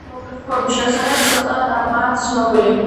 მისი ხანმოკლე ცხოვრების შესახებ ცოტა რამაა ცნობილი.